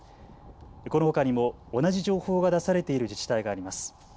このほかにも同じ情報が出されている自治体があります。